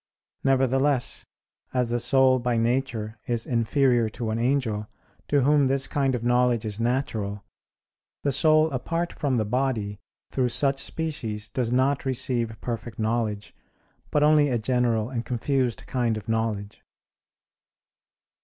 Nevertheless, as the soul by nature is inferior to an angel, to whom this kind of knowledge is natural, the soul apart from the body through such species does not receive perfect knowledge, but only a general and confused kind of knowledge.